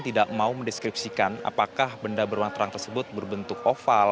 tidak mau mendeskripsikan apakah benda berwarna terang tersebut berbentuk oval